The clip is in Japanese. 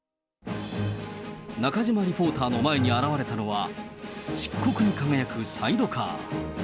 中島リポーターの前に現れたのは、漆黒に輝くサイドカー。